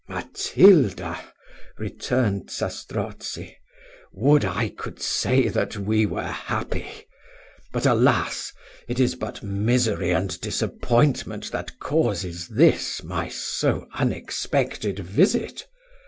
"Matilda!" returned Zastrozzi, "would I could say that we were happy! but, alas! it is but misery and disappointment that causes this my so unexpected visit.